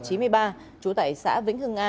trú tại xã vĩnh hưng a huyện vĩnh hưng a